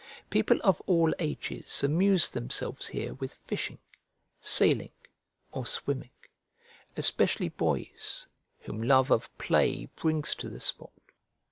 People of all ages amuse themselves here with fishing, sailing, or swimming; especially boys, whom love of play brings to the spot.